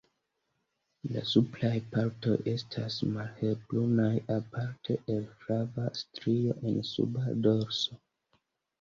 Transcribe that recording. La supraj partoj estas malhelbrunaj aparte el flava strio en suba dorso.